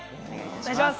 お願いします。